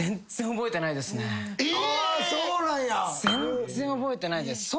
全然覚えてないです。